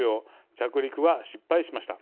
着陸は失敗しました。